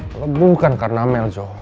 kalau bukan karena melzo